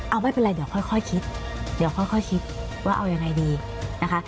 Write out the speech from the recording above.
อ๋อเอาไม่เป็นไรเดี๋ยวค่อยคิดว่าเอายังไงดีนะคะ